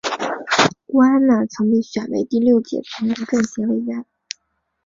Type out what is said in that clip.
郭安娜曾被选为第六届全国政协委员。